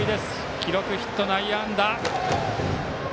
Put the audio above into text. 記録はヒット、内野安打。